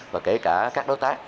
và kể cả các đối tác